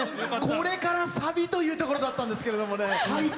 これからサビというところだったんですけどもね。